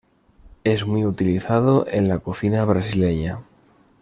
Es muy utilizado en la cocina brasileña.